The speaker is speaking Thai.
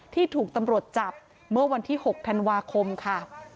ที่ถูกตำรวจจับเมื่อวันที่๖ธันวาคมค่ะ